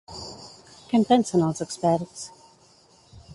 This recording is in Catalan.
Què en pensen els experts?